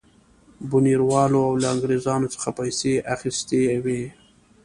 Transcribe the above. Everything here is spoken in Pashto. بونیروالو له انګرېزانو څخه پیسې اخیستې وې.